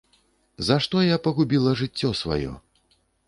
За што я пагубіла жыццё сваё?